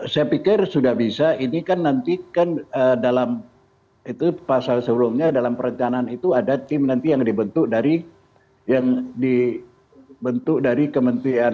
saya pikir sudah bisa ini kan nanti kan dalam itu pasal sebelumnya dalam perencanaan itu ada tim nanti yang dibentuk dari yang dibentuk dari kementerian